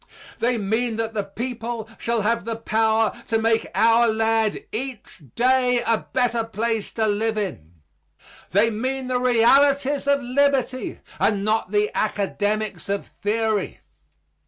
They mean that the people shall have the power to make our land each day a better place to live in. They mean the realities of liberty and not the academics of theory.